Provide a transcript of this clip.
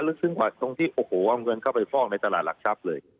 ลึกซึ้งกว่าตรงที่เอาเงินเข้าไปฟ้องในตลาดหลักชับเลย